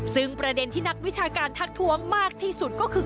ซึ่งประเด็นที่นักวิชาการทักท้วงมากที่สุดก็คือ